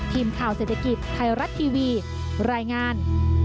ทีมข่าวเศรษฐกิจไทยรัฐทีวีรายงาน